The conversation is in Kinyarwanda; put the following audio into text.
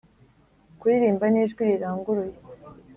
kuririmba n’ijwi riranguruye